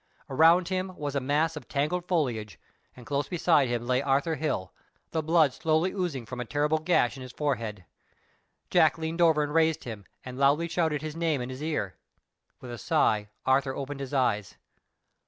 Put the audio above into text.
Around him was a mass of tangled foliage, and close beside him lay Arthur Hill, the blood slowly oozing from a terrible gash in his forehead. Jack leaned over and raised him, and loudly shouted his name in his ear. With a sigh Arthur opened his eyes.